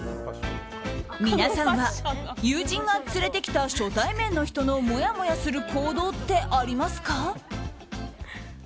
皆さんは友人が連れてきた初対面の人のもやもやする行動ってありますか？